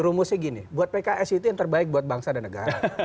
rumusnya gini buat pks itu yang terbaik buat bangsa dan negara